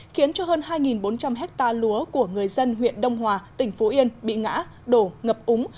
khiến cho hơn hai bốn trăm linh hectare lúa của người dân huyện đông hòa tỉnh phú yên bị ngã đổ ngập úng